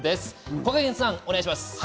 こがけんさん、お願いします。